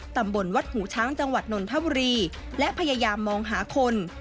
ตำบลวัดหูช้างจังหวัดนนทบุรีและพยายามมองหาคน